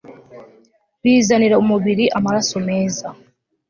Bizanira umubiri amaraso meza